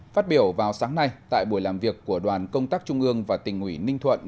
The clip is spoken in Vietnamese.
phát biểu vào sáng nay tại buổi làm việc của đoàn công tác trung ương và tỉnh ủy ninh thuận